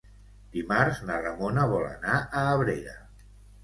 Dimarts na Ramona vol anar a Abrera.